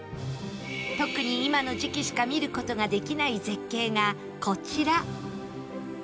特に今の時期しか見る事ができない絶景がこちら